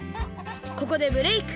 ここでブレーク。